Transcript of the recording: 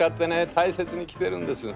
大切に着てるんです。